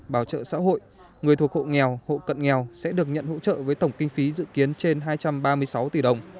bảo trợ xã hội người thuộc hộ nghèo hộ cận nghèo sẽ được nhận hỗ trợ với tổng kinh phí dự kiến trên hai trăm ba mươi sáu tỷ đồng